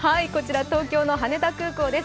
東京の羽田空港です。